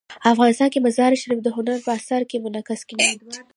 افغانستان کې مزارشریف د هنر په اثار کې منعکس کېږي.